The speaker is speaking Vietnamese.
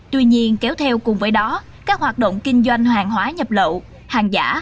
tuy nhiên kéo theo cùng với đó các hoạt động kinh doanh hàng hóa nhập lậu hàng giả